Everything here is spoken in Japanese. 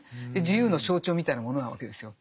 自由の象徴みたいなものなわけですよ。